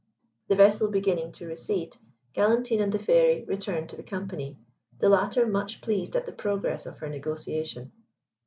The vessel beginning to recede, Galantine and the Fairy returned to the company, the latter much pleased at the progress of her negotiation.